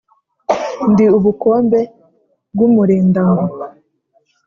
Ndi ubukombe bw’ Umurindangwe